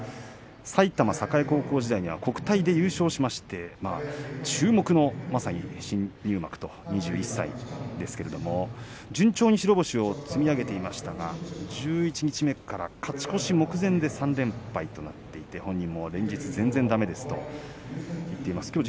埼玉栄高校時代に国体で優勝しまして注目の、まさに新入幕２１歳ですけれども順調に白星を積み上げていましたが十一日目から勝ち越し目前で３連敗となっていて本人も、連日全然だめですと言っています。